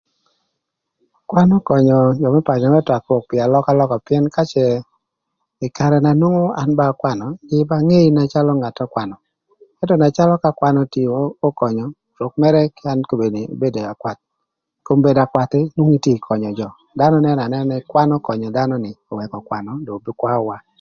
Kwan ökönyö jö më pacö më twakö pï twak pï alökalöka pïën ka cë ï karë na nwongo an ba akwanö jïï ba ngei calö ngat n'ökwanö. Ëntö na calö ka kwan otio ökönyö, rwök mërë an kobedi abedo akwath, kom bedo akwath nwongo itye ka könyö jö, dhanö nënö anëna nï kwan ökönyö dhanö nï öwëkö ökwanö kobedi dong kwaöwa.